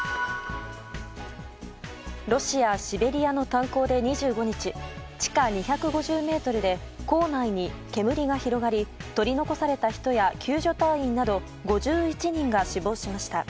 ロシア・シベリアの炭鉱で２５日地下２５０ｍで坑内に煙が広がり取り残された人や救助隊員など５１人が死亡しました。